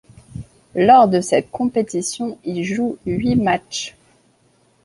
Lors de cette compétition, il joue huit matchs.